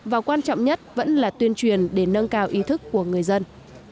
và quan trọng nhất vẫn là tuyên truyền để nâng cao ý thức của người dân